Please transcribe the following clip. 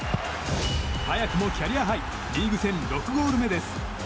早くもキャリアハイリーグ戦６ゴール目です。